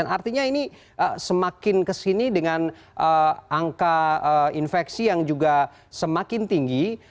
artinya ini semakin kesini dengan angka infeksi yang juga semakin tinggi